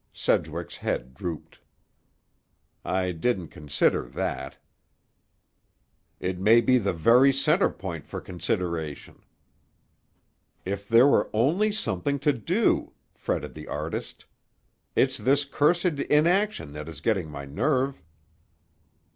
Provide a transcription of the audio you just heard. Sedgwick's head drooped. "I didn't consider that." "It may be the very center point for consideration." "If there were only something to do!" fretted the artist. "It's this cursed inaction that is getting my nerve!"